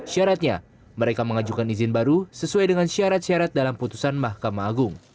syaratnya mereka mengajukan izin baru sesuai dengan syarat syarat dalam putusan mahkamah agung